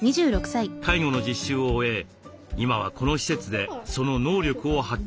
介護の実習を終え今はこの施設でその能力を発揮しています。